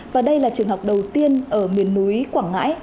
và đây là trường học đầu tiên ở miền núi quảng ngãi